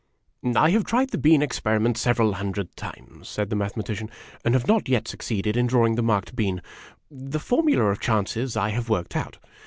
" I have tried the bean experiment several hundreds of times," said the Mathematician, "and have not yet succeeded in drawing the marked bean. The formula of chances I have worked out.